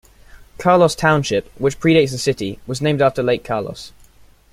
Carlos Township, which predates the city, was named after Lake Carlos.